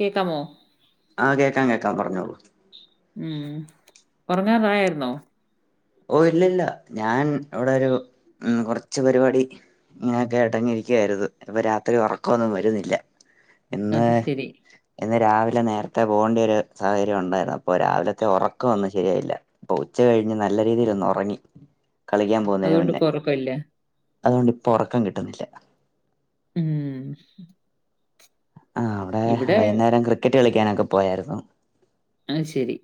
കേക്കാമോ ആഹ് കേക്കാം കേക്കാം പറ്ഞ്ഞോളൂ ഉം ഒറങ്ങാറായാര്ന്നോ ഓഹ് ഇല്ലല്ല ഞാൻ അവ്ടൊരു ഉം കൊറ്ച്ച് പരിപാടി ഇങ്ങനെ കേട്ടങ്ങിരിക്കായിരുന്നു ഇപ്പ രാത്രി ഉറക്കൊന്നും വരുന്നില്ല ഇന്ന് അത് ശരി. ഇന്ന് രാവിലെ നേര്ത്തെ പോകണ്ട്യെരു സാഹചര്യം ഉണ്ടായിരുന്നു അപ്പൊ രാവിലത്തെ ഒറക്കം ഒന്നും ശരിയായില്ല ഓഹ് ഉച്ച കഴിഞ്ഞ് നല്ല രീതിയിൽ ഒന്ന് ഒറങ്ങി കളിക്കാൻ പോന്നെന് അതുകൊണ്ട് മുന്നേ ഇപ്പൊ ഒറക്കമില്ല. അതുകൊണ്ട് ഇപ്പ ഒറക്കം കിട്ട്ന്നില്ല ഉം ആഹ് അവ്ടെ ഇവിടെ വൈന്നേരം ക്രിക്കറ്റ് കളിക്കാനൊക്കെ പോയാര്ന്നു അയ് ശരി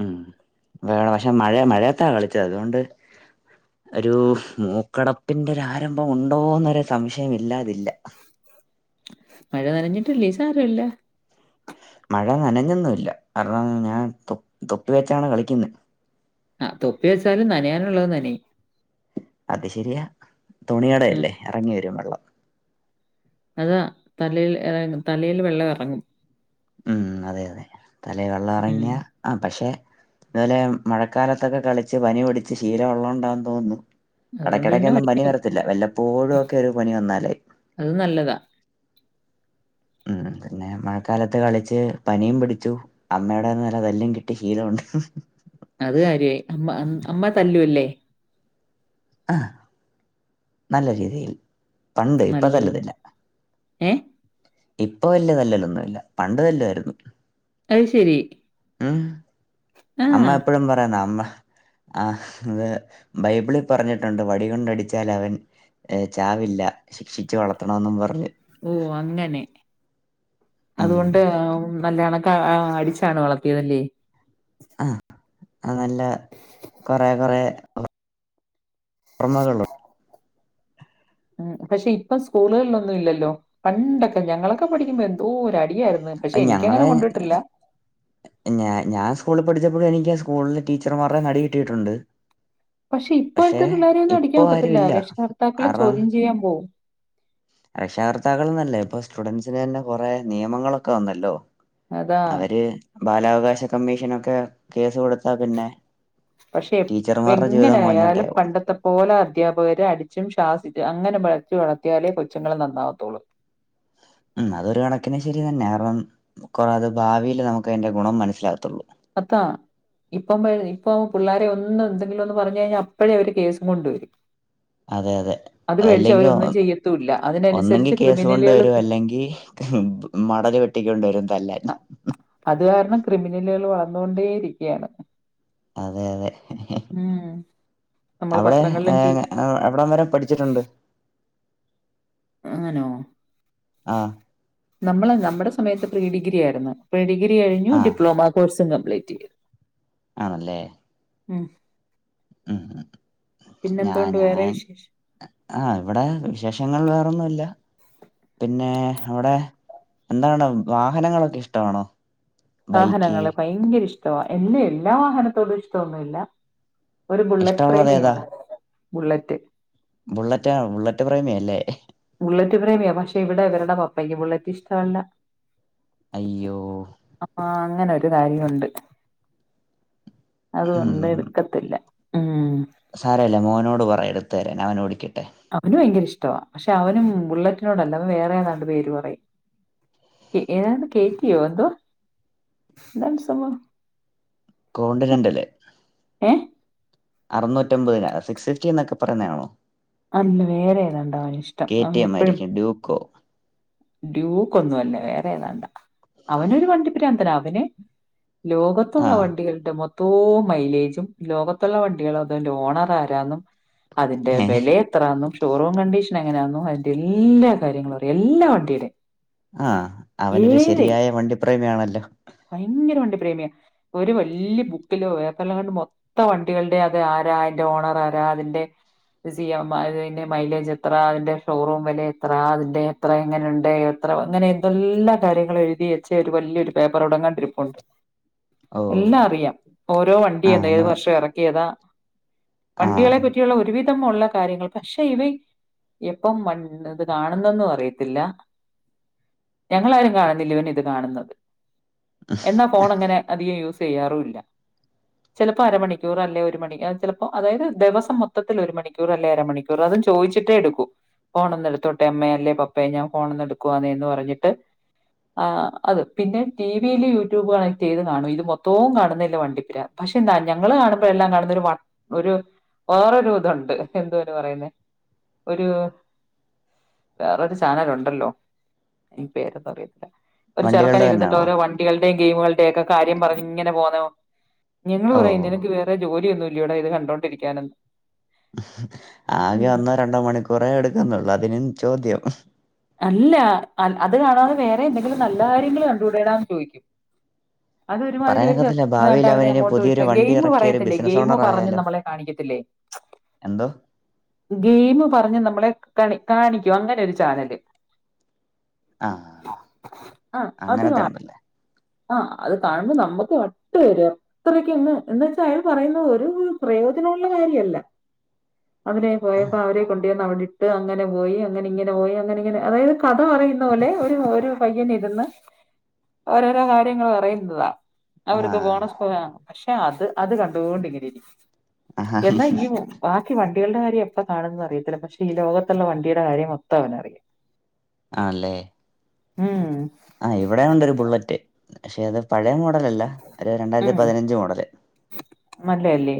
ഉം വേണ പക്ഷെ മഴ മഴയത്താ കളിച്ചത് അതുകൊണ്ട് ഒരു മൂക്കടപ്പിന്റൊരാരംഭം ഉണ്ടോന്നൊര് സംശയം ഇല്ലാതില്ല മഴ നനഞ്ഞിട്ടില്ലെ സാരവില്ല മഴ നനഞ്ഞൊന്നുല്ല കാര്ണം ഞാൻ തൊ തൊപ്പി വെച്ചാണ് കളിക്ക്ന്നെ ആഹ് തൊപ്പി വെച്ചാലും നനയാന്ള്ളത് നനയ് അത് ശരിയ ഉം. തുണിയൊടല്ലെ എറങ്ങി വരും വള്ളം അതാ തലയിൽ ഇറ തലയില് വെള്ളം എറങ്ങും ഉം അതെ അതെ തലേ വെള്ളം ഉം. എറങ്ങ്യ ആഹ് പക്ഷെ ഇതുപോലെ മഴക്കാലത്തൊക്കെ കളിച്ച് പനി പിടിച്ച് ശീലവൊള്ളോണ്ടാന്ന് തോന്നുന്നു അതുകൊണ്ട് പിന്നെ ഇടയ്ക്കിടക്കൊന്നും പനി വയ്ക്കും. വരത്തില്ല വല്ലപ്പോഴും ഒക്കെ ഒരു പനി വന്നാലേ അത് നല്ലതാ ഉം പിന്നെ മഴക്കാലത്ത് കളിച്ച് പനിയും പിടിച്ചു അമ്മയുടെ നല്ല തല്ലും കിട്ടി ശീലമുണ്ട് അത് കാര്യയായി അമ്മ അമ്മ തല്ലൂ അല്ലേ ആഹ് നല്ല രീതിയിൽ പണ്ട് ഇപ്പൊ നല്ല തല്ലത്തില്ല ഏഹ് ഇപ്പൊ വലിയ തല്ലല്ലൊന്നും ഇല്ല പണ്ട് തല്ലുവായിരുന്നു അത് ശെരി ആഹ് അമ്മ എപ്പഴും പറയ്ന്നാ അമ്മ ആഹ് അതേ ബൈബിളിൽ പറഞ്ഞിട്ട്ണ്ട് വടികൊണ്ടടിച്ചാൽ അവൻ ഏഹ് ചാവില്ല ശിക്ഷിച്ച് വളർത്തണന്നും പറഞ് ഓഹ് അങ്ങനെ ഉം അതുകൊണ്ട് ആ മ് നല്ലേണൊക്ക ആ അടിച്ചാണ് വളർത്തിയതല്ലേ ആഹ് അത് അല്ല കൊറേ കൊറേ ഒ ഒന്നൊകൊള്ളൂ ആഹ് പക്ഷെ ഇപ്പം സ്കൂള്കളിലൊന്നും ഇല്ലല്ലോ പണ്ടൊക്കെ ഞങ്ങളൊക്കെ പഠിക്കുമ്പോ എന്തോരു അടിയായ്ര്ന്നു മെൻ പക്ഷെ അത് എനിക്കങ്ങനെ ഞങ്ങളെ കൊണ്ടിട്ടില്ല ഞാ ഞാൻ സ്കൂൾള് പഠിച്ചപ്പൊക്കെ എനിക്ക് ആ സ്കൂൾന്ന് ടീച്ചർമാരെന്ന് അടി കിട്ടീട്ടുണ്ട് പക്ഷെ ഇപ്പോഴത്തെ പിള്ളേരെയൊന്നും ഇപ്പം ആരു ഇല്ല അറം എയ്യാംപോഉം രക്ഷാകർത്താക്കൾന്നല്ലേ ഇപ്പൊ സ്റ്റുഡൻസിന് എന്നെ കൊറേ നിയമങ്ങളൊക്കെ വന്നല്ലോ അതാ അവര് ബാലാവകാശ കമ്മീഷനൊക്കെ കേസ് കൊടുത്താ പിന്നേ പക്ഷെ എങ്ങിനെആയാലും പണ്ടത്തപ് പോലെ അധ്യാപകര് അടിച്ചും ശ്വാസിച്ച് അങ്ങനെ വളച്ചു വളർത്തിയാലേ കൊച്ചുങ്ങള് നന്നാകത്തൊളൂ മ് അതൊരു കണക്കിന് ശെരി തന്നേ അറൺ മിക്കവാറ് ഭാവില് നമുക്ക് അയ്ന്റെ ഗുണം മനസ്സിലാകത്തൊള്ളൂ അത്താ ഇപ്പംപേടി ഇപ്പം പിള്ളാരെ ഒന്ന് എന്തെങ്കിലും ഒന്ന് പറഞ്ഞ് അഴ്ഞ്ഞാഅപ്പഴേ അവര് കേസും കൊണ്ടുവെരും അതേ അതേ അതല്ലെങ്കി ഒ അവരൊന്നും ചെയ്യത്തുമില്ല. ഒന്നെങ്കി അതിനനുസരിച്ച് കേസ് കൊണ്ട് ക്രിമിനലുകള് വരും അല്ലെങ്കി കം മടല് വെട്ടിക്കൊണ്ട് വെരുംതല്ലാൻ അത് കാരണം ക്രിമിനലുകള് വളർന്നുകൊണ്ടേ ഇരികയാണ് അതെ അതെ ഉം. നമ്മള് അവിടെ പത്രങ്ങളിലും ടി ഏഗെ ഓ എവിടം വെരേ പഠിച്ചിട്ടുണ്ട് ഞ്ഞാനോ ആഹ് ന്നമ്മള് ന്നമ്മ്ടെ സമയത്ത് പ്രീ ഡിഗ്രി ആയിരുന്നു പ്രീ ഡിഗ്രി കഴിഞ്ഞു ആ ഡിപ്ലോമ കോഴ്സും അപ്ലറ്റ് എയ്ത് ആണ്ലേ മ് ഉം ഉം ഞാ പിന്നെന്തോണ്ട് വേറെ ഞാൻ വിശേഷം ആഹ് ഇവിടേ വിശേഷങ്ങൾ വേറൊന്നുല്ല പിന്നേ അവിടെ എന്താണ് വാഹനങ്ങളൊക്കെ ഇഷ്ടാണോ വാഹനങ്ങള് ഭയങ്കര ഇഷ്ടവാ എല്ല എല്ലാ വാഹനത്തോടും ഇഷ്ടം ഒന്നുല്ല ഒരു ബുള്ളറ്റ് ഇഷ്ടമുള്ളത് പ്രേമിയാണ് ബുള്ളറ്റ് ബുള്ളറ്റോ ബുള്ളറ്റ് പ്രേമിയല്ലേ ബുള്ളറ്റ് പ്രേമിയാ പക്ഷെ ഇവിടെ ഇവരുടെ പപ്പയ്ക്ക് ബുള്ളറ്റ് ഇഷ്ട അല്ല അയ്യോ അ ആഹ്, അങ്ങനൊര് കാര്യംഒണ്ട് അതുകൊണ്ട് എട്ക്കത്തില്ല. മ് സാരല്ല മോനോട് പറയ് എടുത്തെരാൻ അവനോടിക്കട്ടെ അവന് വയങ്കര ഇഷ്ടവാ പക്ഷെ അവനും ബുള്ളറ്റിനോടല്ല അവൻ വേറെ രണ്ട് പേര് പറയും എ ഏതാണ്ട് കേറ്റിയോ എന്തോ ന്താണ് സംഭവം കോണ്ട് രണ്ടല്ലേ ഏഹ് അർന്നൂറ്റമ്പതിനാ സിക്സ്വൽറ്റി എന്നൊക്കെ പറയുന്നേ ആണോ? അല്ല വേറേ ഏതാണ്ടാവന് ഇഷ്ടം. കെ ടി അവന് എം എപ്പഴും ആയിരിക്കും ഡ്യൂക്കോ ഡ്യൂക്കൊന്നും അല്ല വേറെ ഏതാണ്ടാ അവനൊരു വണ്ടി പ്രാന്തനാ അവന് ലോക ആ ത്ത്ള്ള വണ്ടികളുടെ മൊ ത്തോം മൈലേജും ലോകത്തുള്ള വണ്ടികളോ അതുൻ്റെ ഓണറാരാന്നും അതിന്റെ ഏ വെലയെത് ത്രാന്നും ഷോറൂം കണ്ടീഷനെങ്ങനാന്നും അതിന്റെ എല്ലാ കാര്യങ്ങളും അറിയാം എല്ലാ വണ്ടീടെ ആഹ്, അവനൊരു ശരിയായ വണ്ടിപ്രേമി ആണല്ലൊ. ഭയങ്കര വണ്ടി പ്രേമിയാ, ഒരു വല്ല്യ ബുക്കിലോ വേപ്പർലാണ്ട് മൊത് ത്ത വണ്ടികളുടെ അത് ആരാ അയ്ന്റെ ഓണറാരാ അതിന്റെ ഇത് ചെയ്യാം അതിന്റെ മൈലേജ് എത്ര, അതിന്റെ ഷോറൂം വെല എത്ര, അതിന്റെ ത്ര, എങ്ങനെണ്ട്, എത്ര ങ്ങനെ എന്തെല്ലാ കാര്യങ്ങളെഴുതി വെച്ച ഒരു വല്ല്യൊരു പേപ്പർ ഇവിടങ്ങാണ്ടിരിപ്പുണ്ട്. ഓ എല്ലാം അറിയാം. ഓരോ വണ്ടി ആ എന്ത് ഏത് അവന് വർഷം എറക്കിയതാ ആ വണ്ടികളെ പറ്റിയുള്ള ഒരുവിധം ഉള്ള കാര്യങ്ങൾ പക്ഷെ ഇവൻ എപ്പം വ ഇത് കാണുന്നൊന്നും അറിയത്തില്ല. ഞങ്ങളാരും കാണുന്നില്ല ഇവനിത് കാണുന്നത്. പ്പം ഫോണ്ങ്ങനെ അധികം യൂസെയ്യാറൂല്ല. ചിലപ്പോൾ -അരമണിക്കൂറ അല്ലേ-ഒരു ചെലപ്പൊ അരമണിക്കൂറ് അല്ലേ ഒരു മണി ഏയ് ചെലപ്പൊ അതായത്, ദിവസം മൊത്തത്തില് ഒരു മണിക്കൂറ് അല്ലേ അരമണിക് [unintelligible] ചോയിച്ചിട്ടേ എടുക്കൂ. ഫോൺ ഒന്ന് എട്ത്തോട്ടെ അമ്മേ, അല്ലേ പപ്പേ, ഞാൻ ഫോൺ ഒന്ന് എടുക്കുവാന്നെ എന്ന് പറഞ്ഞിട്ട് ആഹ് അത് പിന്നെ ടിവിയില് യൂട്യൂബ് കണക്റ്റെയ്ത് കാണും ഇത് മൊത്തോം കാണുന്നില്ലേ വണ്ടിപ്രാ പക്ഷെ ന്താ ഞങ്ങള് കാണും ഇപ്പ എല്ലാം കാണുന്ന ഒരു വ ഒരു വേറൊരു തുണ്ട് എന്തുവയ്ന് പറയുന്നെ ഒരു വേറൊരു ചാനലൊണ്ടല്ലോ അയ് പേരന്താറിയ വണ്ടികൾടെ തന്നെയാണോ വണ്ടികൾടേം ഗെയിമുകൾടേം ഒക്കെ കാര്യം പറഞ്ഞിങ്ങനെ പോന്നൊ ഞങ്ങള് ഓ പറയും നിനക്ക് വേ റെ ജോലിയൊന്നുംല്ല്യോടാ ഇത് കണ്ടോണ്ടിരിയ്ക്കാനെന്ന്. ആകെ ഒന്നോ രണ്ടോ മണിക്കൂറേ എടുക്കുന്നുള്ളൂ അതിനും ചോദ്യം അല്ലാ അ അത് കാണാതെ വേറെ എന്തെങ്കിലും നല്ല കാര്യങ്ങള് കണ്ടൂടെടാന്ന് ചോയിക്കും അതൊരുമാതിരി ഒര് പറയാനൊക്കത്തില്ല [unintelligible] ഭാവിയിൽ ന്നാട്ടവനെ അവനിനി അങ്ങോട്ട് വിട്ട് പുതിയൊരു വണ്ടി ഗെയിമ് ഇറക്കി ഒരു പറയത്തില്ലേ ബിസിനസ് ഗെയിമ് ഓണർ പറഞ്ഞ് ആയാലോ നമ്മളെ കാണിയ്ക്കത്തില്ലേ എന്തോ ഗെയിമ് പറഞ്ഞ് നമ്മളെ കാണി കാണിക്കും അങ്ങനൊരു ചാനല് ആ ആഹ് അത് കാ അങ്ങനത്തെ ഉണ്ടല്ലേ ആഹ് അത് കാണുമ്പം നമ്മക്ക് വട്ട് വരാ ഇത്രയ്ക്കങ്ങ് എന്നച്ചാ അയാൾ പറയുന്നത് ഒരു ഉപയോ പ്രയോജനോള്ള കാര്യവല്ല അതിലെ പോയപ്പോ അവരെ കൊണ്ട് ചെന്ന് അവിടിട്ട് അങ്ങനെ പോയി അങ്ങനിങ്ങനെ പോയി അങ്ങനിങ്ങനെ അതായത് കഥ പറയുന്ന പോലെ ഒരു ഒരു പയ്യൻ ഇരുന്ന് ഓരോരോ കാര്യങ്ങള് പറയുന്നതാ ആ അവർക്ക് ബോണസ് പോകാ പക്ഷെ അത് അത് കണ്ടൊണ്ടിങ്ങനെ ഇരി ആഹ്. എന്നായിങ്ങ് വാ ക്ക് വണ്ടികൾടെ കാര്യപ്പ കാണുന്നറിയത്തില്ല പക്ഷെ ഈ ലോകത്തുള്ള വണ്ടീടെ കാര്യം മൊത്തം അവനറി ആല്ലേ ഉം ആഹ് ഇവടേ ഉണ്ടൊരു ബുള്ളറ്റ് പക്ഷെ അത് പഴയ മോഡലല്ല ഒര് രണ്ടായിര്ത്തി പതിനഞ്ച് മോഡല് മല്ലയല്ലേ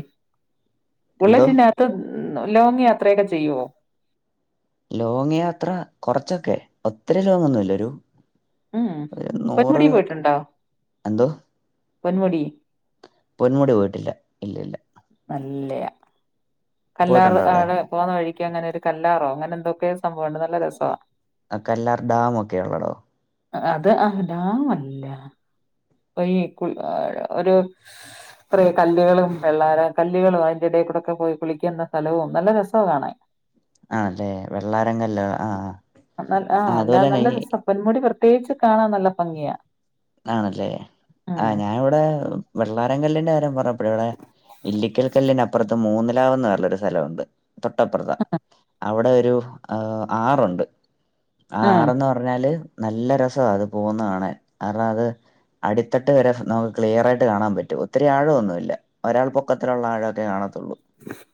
എന്തോ ബുള്ളറ്റിന്റാ ത്ത് ലോങ്ങ്‌ യാത്രയൊക്കെ ചെയ്യുവോ ലോങ് യാത്ര കൊറച്ചൊക്കെ ഒത്രി ലോങ്ങൊന്നുല്ലരു ഉം പൊന്മുടി പോയിട്ടുണ്ടോ എന്തോ പൊന്മുടി പൊന്മുടി പോയിട്ടില്ല ഇല്ല ഇല്ല നല്ലേ കല്ലാറ് അവിടെ പോന്ന വഴിക്ക് അങ്ങനെരു കല്ലാറോ അങ്ങനെ എന്തൊക്കെ സംഭവുണ്ട് നല്ല രസാ അകല്ലാർ ഡാമൊക്കെള്ളടോ അത് അഹ് ലാമല്ല പൈ കുൽ ഒരു ഇത്രയുകല്ലേളും വെള്ളാരം കല്ലുകളും അയ്ന്റെടേക്കൂടക്കെ പോയി കുളിക്ക്യന്ന സ്ഥലവും നല്ല രസാവും കാണാൻ അതെ വെള്ളാരങ്കല്ലോ ആഹ് നൽ ആഹ് അല്ല നല്ല രസ പൊന്മുടി പ്രത്യേകിച്ച് കാണാൻ നല്ല പങ്ങിയാ ആണല്ലേ ആഹ് ഞായിവിടെ വെള്ളാരങ്കല്ലിന്റെ കാര്യം പറ പ്പഴ്ടെ ഇല്ലിക്കൽക്കല്ലിനപ്പറത്ത് മൂന്നിലാവൊന്നർള്ളര് സ്ഥലവുണ്ട് തൊട്ടപ്രത്താ അവിടെ ഒരു ആറുണ്ട് ആഹ് ഉം ആറെന്ന് പ പർഞ്ഞാല് നല്ല രസവാ അത് പോന്ന കാണാൻ കാര്ണം അത് അടിത്തട്ട് വരെസ് നമുക് ക്ലിയറായിട്ട് കാണാപറ്റു ഒത്തിരി ആഴൊന്നുല്ല ഒരാൾ പൊക്കത്തിലുള്ള ആഴൊക്കെ കാണതൊള്ളൂ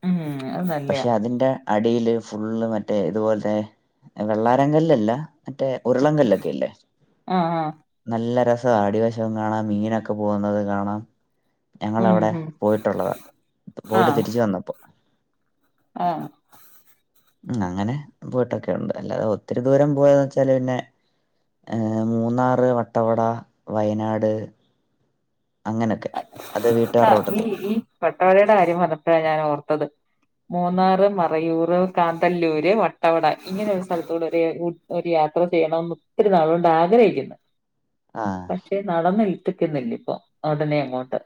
ഉം അത് നല്ലയാ പക്ഷെ അതിന്റെ അടീല് ഫുള്ള് മറ്റേ ഇത്പോൽത്തെ വെള്ളാരങ്കല്ലല്ല മറ്റേ ഉരുളങ്കല്ലൊക്കെ ഇല്ലേ ആഹ് ആഹ് നല്ല രസവാ അടിവശോം കാണാം മീനക്കെ പോകുന്നത് കാണാം ഉം ഞങ്ങളവടെ ഉം പോയിട്ടുള്ളതാ പോയിട്ട് തിരിച്ചു വന്നപ്പോ ആഹ് ഉം അങ്ങനെ പോയിട്ടൊക്കെ ഉണ്ട് അല്ലാതെ ഒത്തിരി ദൂരം പോയോച്ചാല് പിന്നെ ഏഹ് മൂന്നാറ് വട്ടവട വയനാട് അങ്ങനൊക്കെ അത് വീട്ടുകാരുടെ ആഹ് നീ കൂട്ടത്തിൽ ഈ വട്ടവടയുടെ കാര്യം പർഞ്ഞപ്പഴാ ഞാൻ ഓർത്തത് മൂന്നാറ് മറയൂർ കാന്തല്ലൂര് വട്ടവട ഇങ്ങനെ ഒരു സ്ഥലൽത്തൂടെ ഒരേ ഉ ഒര് യാത്ര ചെയ്യണംന്ന് ഒത്തിരി നാളോണ്ടാഗ്രഹിക്ക്യുന്ന് ആ പക്ഷേ നടന്ന് ഇൽത്തിക്യുന്നില്ലേപ്പൊ ഒടനെ അങ്ങോട്ട്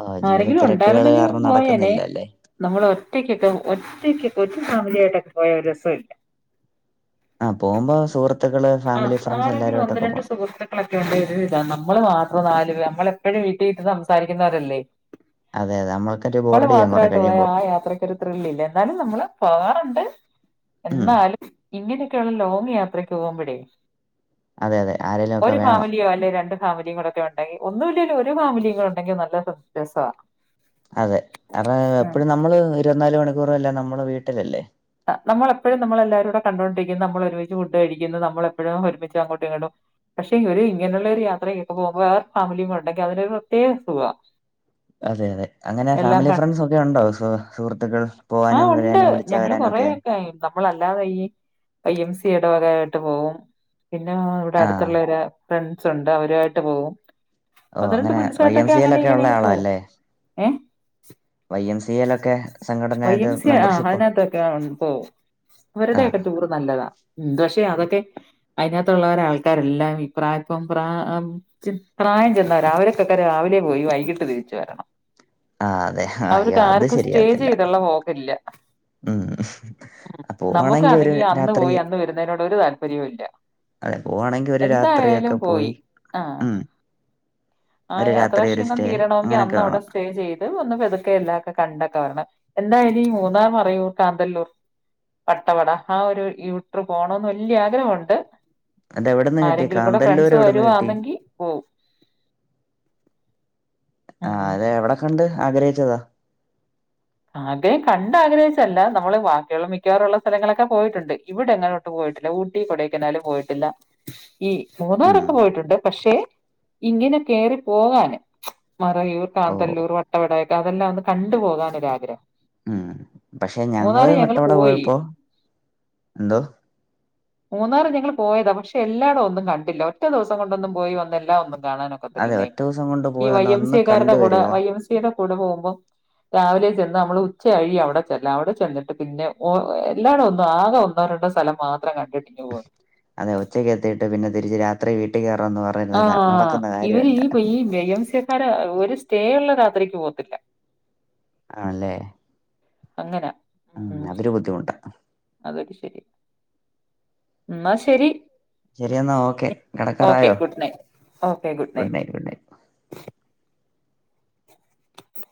ആ ജീവിത ആരെങ്കിലു തിരക്കുകൾ ഉണ്ടായിര്ന്നെങ്കി കാരണം പോയേനെ നടക്കുന്നില്ല അല്ലേ നമ്മള് ഒറ്റയ്ക്കൊക്കെ ഒറ്റയ്ക്കൊക്കെ ഒറ്റ ഫാമിലിയായിട്ടൊക്കെ പോയ ഒരു രസൊല്ല ആഹ് പോകുമ്പോ സുഹൃത്തുക്കള് ഫാമിലി ആഹ് ഫ്രണ്ട്സ് ആരെങ്കിലും ഒന്ന് എല്ലാരുവാട്ടൊക്കെ രണ്ട് പോണം [unintelligible] നമ്മള് മാത്രം നാല് പേ നമ്മളെപ്പഴും വീട്ടിര്ന്ന് സംസാരിക്കുന്നവരല്ലേ അതെ അതെ നമ്മൾക്കൊരു മ്മള് ബോറടിയാകും കുറേ മാത്രായിട്ട് പോയ കഴിയുമ്പോൾ ആഹ് യാത്രയ്ക്കൊര് ത്രില്ലില്ല എന്നാലും നമ്മള് പോകാറുണ്ട് ഉം എന്നാലും ഇങ്ങനെയൊക്കെയുള്ള ലോങ് യാത്ര ട്ട് പോമ്പഴേ അതെ അതെ ആരെങ്കിലും ഒക്കെ ഒരു വേണം ഫാമിലിയാ അല്ലേ രണ്ട് ഫാമിലിംകൂടൊക്കെ ഉണ്ടെങ്കി. ഒന്നും ഇല്ലേലൊരു ഫാമിലിം ഒണ്ടെങ്കി നല്ല രസവ അതെ. അത് എപ്പഴും നമ്മള് ഇരുവത്നാല് മണിക്കൂറെല്ലാം നമ്മള് വീട്ടിലല്ലെ. ആഹ് നമ്മളെപ്പഴും നമ്മളെല്ലാരൂടെ കണ്ടോണ്ടിരിക്കുന്നു. നമ്മൾ ഒരുമിച്ച് ഫുഡ് കഴിക്കുന്നു. നമ്മള് എപ്പഴും ഒരുമിച്ച് അങ്ങോട്ടും ഇങ്ങോട്ടും പക്ഷെ ഒരു ഇങ്ങനുള്ളൊരു യാത്രക്കൊ പോകുമ്പോ വേറൊരു ഫാമിലിം കൂടെ ഉണ്ടെങ്കി അതിനൊരു പ്രത്യേക സുഖ്വ അതെ അതെ അങ്ങനെ ഫാമിലി ഫ്രണ്ട്സ് ഒക്കെ ഉണ്ടോ സു സുഹൃത്തുക്കൾ പോവാനും വരാനും വിളിച്ചാ വരാനു ഒക്കെ ഏയ്‌ നമ്മളല്ലാതെ ഈ ഐ എം സി എടവകകായിട്ട് പോവും. പിന്നെ ഇവിടെ ആ അടുത്തുള്ളവര് ഫ്രണ്ട്സ് ഉണ്ട്. അവരുവായിട്ട് പോവും. ഓ ഒന്നുരണ്ട് അങ്ങനെ വൈ എം ഫ്രണ്ട്സായിട്ടൊക്കെ സി അങ്ങനെ എയിലൊക്കെ ഉള്ള ഇങ്ങനെയങ് ആളാ പോകും അല്ലേ ഏഹ് വൈ എം സി എൽ ഒക്കെ വൈ എം സി ആഹ് അതിനകത്തൊക്കെ ഒ പോവും ആ അവരുടെയൊക്കെ ടൂറ് നല്ലതാ. ഉം പക്ഷെ അതൊക്കെ അയിനകത്തുള്ളവരാൾക്കാരെല്ലാം ഇപ്രായപ്പം പ്രാ ച്ച് പ്രായം ചെന്നവരാ. അവര്ക്കൊക്കെ രാവിലെ പോയി വൈകിട്ട് തിരിച്ചു വരണം. ആഹ് അതെ അയ്യെ അത് ശരിയാവത്തില്ല. ബപ്പൊ പോക്കില്ല. ഉം അ പോവാണെങ്കി ഒരു നമുക്കാന്നെങ്കി അന്ന് രാത്രി പോയി അന്ന് വരുന്നതിനോട് ഒരു താല്പര്യോ ഇല്ല. അതെ പോവാണെങ്കി ഒരു രാത്രിയൊക്കെ എന്തായാലും പോയി ആഹ്. ഉം ആഹ് ഒരു യാത്രാ രാത്രി ഒരു ക്ഷീണം സ്റ്റേ തീരണോങ്കി അങ്ങനെയൊക്കെ അന്ന് അവിടെ വേണം സ്റ്റേ ചെയ്ത് ഒന്നു പതുക്കെ എല്ലാ ഒക്കെ കണ്ടൊക്കെ വരണം. എന്താ ഇനി മൂന്നാർ, മറയൂർ, കാന്തല്ലൂർ പട്ടവട ആഹ് ഒരു യൂട്ട്ര് പോണന്ന് വെല്യ ആഗ്രഹോണ്ട്. അത് എവിടെന്ന് കിട്ടി ആരെങ്കിലും കൂടെ കാന്തല്ലൂർ ഫ്രണ്ട്സ് എവിടെന്ന് കിട്ടി വരുവാന്നെങ്കി പോവും. ആഹ് ഉം അതെ. എവിടെ കണ്ട് ആഗ്രഹിച്ചത. ആഗ്രഹം കണ്ടാഗ്രഹിച്ചല്ല. നമ്മള് ബാക്കിയുള്ള മിക്കവാറുള്ള സ്ഥലങ്ങളൊക്കെ പോയിട്ടുണ്ട് ഇവിടങ്ങനെ പോയിട്ടില്ല. ഊട്ടി കൊടേയ്ക്കനാലും പോയിട്ടില്ല. ഈ ഉം മൂന്നാറൊക്കെ പോയിട്ടുണ്ട്. പക്ഷെ ഇങ്ങനെ കെയറി പോകാന് മറയൂർ ഓ കാന്തല്ലൂർ പടവടൊക്കെ അതെല്ലാം ഒന്ന് കണ്ടുപോകാൻ ഒരാഗ്രഹം [unintelligible] ഉം പക്ഷെ ഞങ്ങള് വട്ടവട പോയി. പോയപ്പൊ എന്തോ [inaudible] മൂന്നാറ് ഞങ്ങൾ പോയതാ. പക്ഷെ എല്ലായിടോം ഒന്നും കണ്ടില്ല. ഒറ്റ ദിവസം കൊണ്ടൊന്നും പോയി വന്ന എല്ലാം ഒന്നും അതെ കാണാനൊ ഒറ്റ ദിവസം കൊണ്ട് ഈ പോയി വൈ ഒന്ന് എം ഒന്ന് സി ക്കാരുടെ കണ്ട് കൂടെ വരിക വൈഎംസിയുടെ കൂടെ പോകുമ്പം രാവിലെ നമ്മള് ഉച്ചകഴിയു അവിടെ ചെല്ലാൻ. അവിടെ ചെന്നിട്ട് പിന്നെ എല്ലായിടം ഒന്നും ആകെ ഒന്നോ രണ്ടോ സ്ഥലം മാത്രം കണ്ടിട്ട് [unintelligible] അതെ ഉച്ചയ്ക്ക് എത്തിയിട്ട് പിന്നെ തിരിച്ച് രാത്രി വീട്ടി കേറാന്ന് പറഞ്ഞ ആ ഇവര് ഈ വൈ എം സി ക്കാർ ഒരു സ്റ്റേ ഉള്ള രാത്രിക്ക് പോകത്തില്ല. ആണല്ലെ. അങ്ങന ഉം അതൊരു ബുദ്ധിമുട്ട. അതൊക്കെ ശെരി. ഇന്നാ ശെരി. ശരി എന്നാ ഓക്കെ ഓക്കെ കിടക്കാറായോ good night. Okay good night.